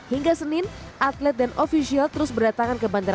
hingga senin atlet dan ofisial terus berdatangan ke bandara